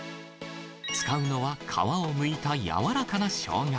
使うのは、皮をむいたやわらかなショウガ。